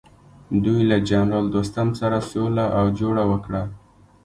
دوی له جنرال دوستم سره سوله او جوړه وکړه.